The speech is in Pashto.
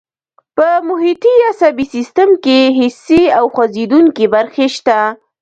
په محیطي عصبي سیستم کې حسي او خوځېدونکي برخې شته.